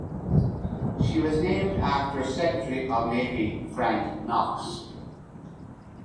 She was named after Secretary of the Navy Frank Knox.